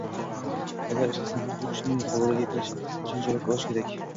Agar ishlasangiz, bu kishining qabuliga kirish uchun javob olish kerak